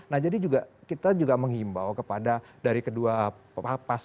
nah jadi juga kita juga menghimbau kepada dari kedua pas